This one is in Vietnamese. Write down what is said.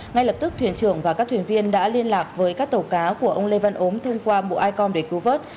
ngay lập tức thuyền trưởng và các thuyền viên đã liên lạc với các tàu cá của ông lê văn ốm thông qua bộ icom để cứu vớt